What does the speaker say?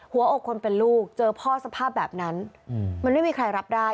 หัวอกคนเป็นลูกเจอพ่อสภาพแบบนั้นมันไม่มีใครรับได้